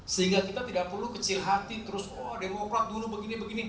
sehingga kita tidak perlu kecil hati terus wah demokrat dulu begini begini